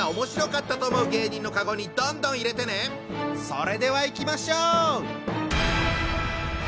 それではいきましょう！